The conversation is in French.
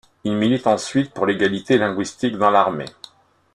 Il milite ensuite pour l'égalité linguistique dans l'armée.